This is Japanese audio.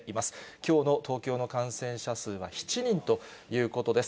きょうの東京の感染者数は７人ということです。